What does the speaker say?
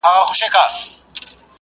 چي په ښکار به د مرغانو وو وتلی .